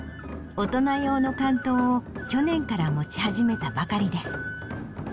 大人用の竿燈を去年から持ち始めたばかりです。